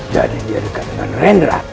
jadi dia dekat dengan rendra